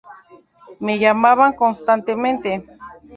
Me llamaban constantemente".